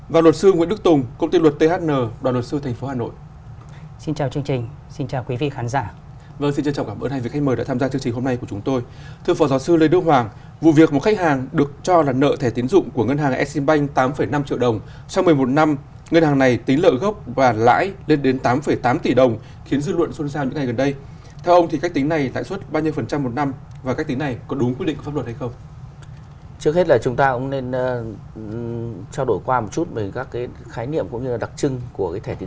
và luật sư nguyễn đức tùng công ty luật thn đoàn luật sư tp hà nội